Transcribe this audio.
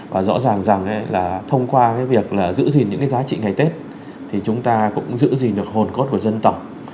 và rõ ràng rằng là thông qua cái việc là giữ gìn những cái giá trị ngày tết thì chúng ta cũng giữ gìn được hồn cốt của dân tộc